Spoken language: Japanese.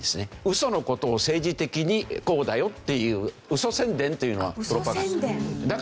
ウソの事を政治的に「こうだよ」っていう「ウソ宣伝」というのがプロパガンダ。